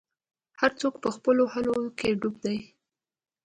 هر څوک به خپلو حولو کي ډوب وي